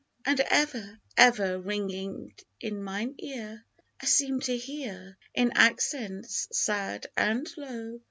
And ever, ever, ringing in mine ear I seem to hear, in accents sad and low.